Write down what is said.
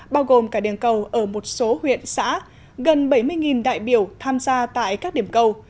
bao gồm cả điểm cầu ở một số huyện xã gần bảy mươi đại biểu tham gia tại các điểm cầu